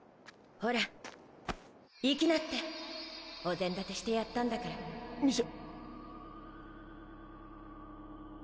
ほら行きなってお膳立てしてやったんミシェ。